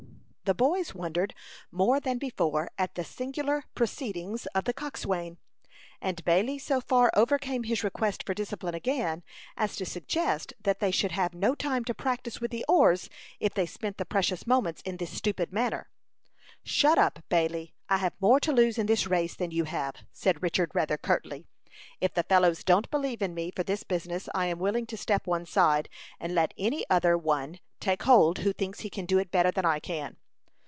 The boys wondered more than before at the singular proceedings of the coxswain, and Bailey so far overcame his respect for discipline again, as to suggest that they should have no time to practise with the oars, if they spent the precious moments in this stupid manner. "Shut up, Bailey; I have more to lose in this race than you have," said Richard, rather curtly. "If the fellows don't believe in me for this business, I am willing to step one side, and let any other one take hold who thinks he can do it better than I can."